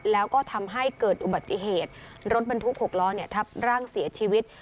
แล้วก็ทำให้เกิดอุบัติเหตุรถบรรทุก๖ล้อทับร่างเสียชีวิต